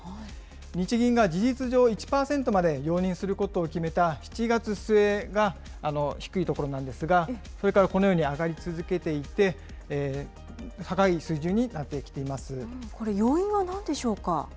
日銀が事実上１％まで容認することを決めた７月末が低いところなんですが、それからこのように上がり続けていて、これ、要因はなんでしょうか。